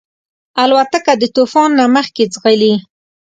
الوتکه د طوفان نه مخکې ځغلي.